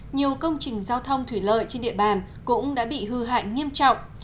nhiều công trình giao thông thủy lợi trên địa bàn cũng đã bị hư hại nghiêm trọng